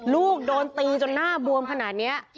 ลูกโดนตีจนหน้าบวมขนาดนี้